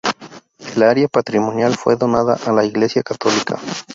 El área patrimonial fue donada a la iglesia católica.